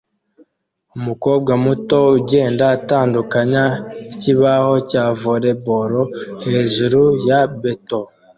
Umukobwa muto ugenda atandukanya ikibaho cya volly boll hejuru ya beto